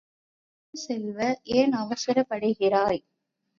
இனிய செல்வ, ஏன் அவசரப்படுகிறாய்?